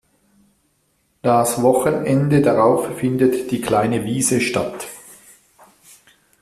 Das Wochenende darauf findet die „Kleine Wiese“ statt.